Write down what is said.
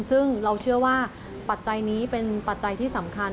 ซึ่งเราเชื่อว่าปัจจัยนี้เป็นปัจจัยที่สำคัญ